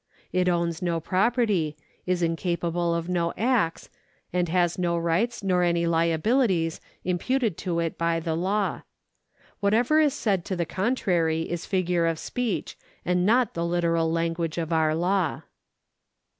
It owns no property, is capable of no acts, and has no rights nor any liabilities im puted to it by the law. Whatever is said to the contrary is figure of speech, and not the literal language of our law.